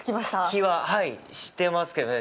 気は、はい、してますけどね。